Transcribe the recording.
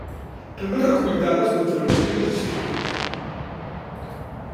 També recull dades meteorològiques i sísmiques.